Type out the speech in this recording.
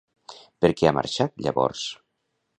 Per què ha marxat llavors?